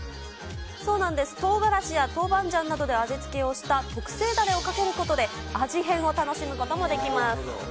そうなんです、とうがらしやトウバンジャンなどで味付けをした特製だれをかけることで、味変を楽しむこともできます。